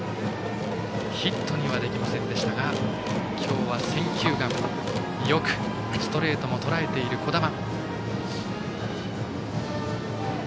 ヒットにはできませんでしたが今日は選球眼よくストレートもとらえている樹神。